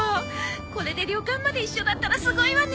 これで旅館まで一緒だったらすごいわね。